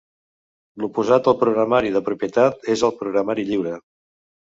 L'oposat al programari de propietat és el programari lliure.